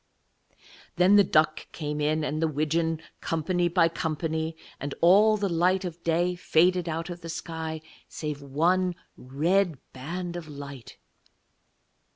Then the duck came in, and the widgeon, company by company: and all the light of day faded out of the sky saving one red band of light.